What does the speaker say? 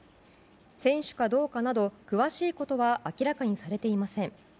選手かどうかなど詳しいことは明らかにされていません。